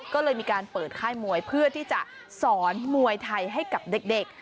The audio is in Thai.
ก็เลยมีการเปิดค่ายมวยเพื่อที่จะสอนมวยไทยให้กับเด็ก